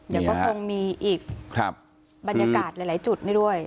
ยังก็คงมีอีกครับบรรยากาศหลายหลายจุดนี่ด้วย